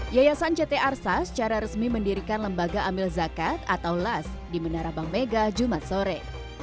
yayasan ct arsa secara resmi mendirikan lembaga amil zakat atau las di menara bank mega jumat sore